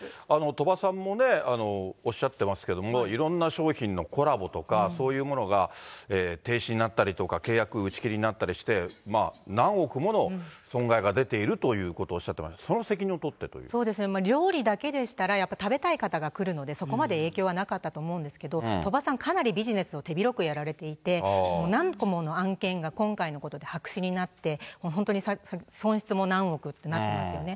鳥羽さんもね、おっしゃっていますけれども、いろんな商品のコラボとかそういうものが停止になったりとか、契約打ち切りになったりして、何億もの損害が出ているということをおっしゃってました、その責そうですね、料理だけでしたら、やっぱ食べたい方が来るので、そこまで影響はなかったと思うんですけど、鳥羽さん、かなりビジネスを手広くやられていて、もう何個もの案件が、今回のことで白紙になって、本当に損失も何億ってなってますよね。